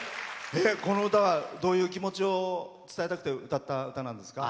この歌は、どういう気持ちを伝えたくて歌った歌なんですか？